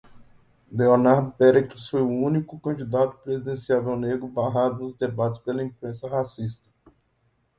Leonardo Péricles foi o único candidato presidenciável negro, barrado dos debates pela imprensa racista